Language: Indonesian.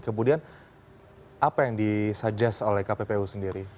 kemudian apa yang disajis oleh kppu sendiri